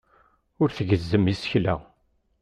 Ur tgezzem isekla.